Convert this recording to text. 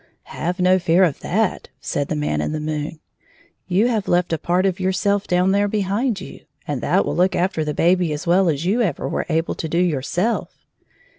" Have no fear of that," said the Man in the moon, " You have left a part of yourself down there behind you, and that will look after the baby as well as you ever were able to do yourself."